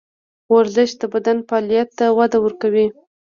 ورزش د بدن فعالیت ته وده ورکوي.